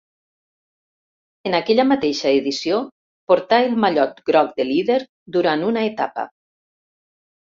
En aquella mateixa edició portà el mallot groc de líder durant una etapa.